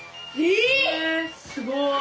えすごい！